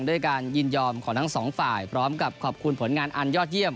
ด้วยการยินยอมของทั้งสองฝ่ายพร้อมกับขอบคุณผลงานอันยอดเยี่ยม